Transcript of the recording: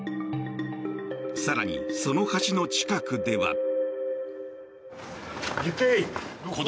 更に、その橋の近くでは。